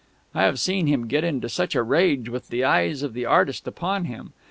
I have seen him get into such a rage with the eyes of the artist upon him.